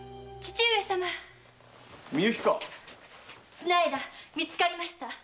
綱條見つかりました。